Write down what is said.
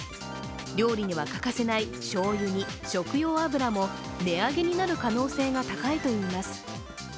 料理には欠かせないしょうゆに食用油も値上げになる可能性が高いといいます。